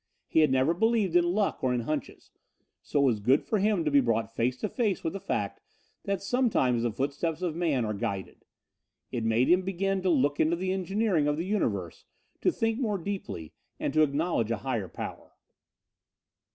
He had never believed in luck or in hunches, so it was good for him to be brought face to face with the fact that sometimes the footsteps of man are guided. It made him begin to look into the engineering of the universe, to think more deeply, and to acknowledge a Higher Power.